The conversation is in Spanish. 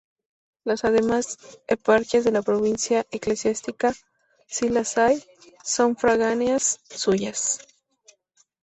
Las demás eparquías de la provincia eclesiástica, si las hay, son sufragáneas suyas.